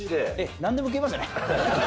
なんでも食いますよね。